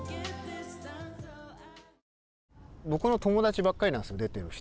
僕の友だちばっかりなんですよ出てる人。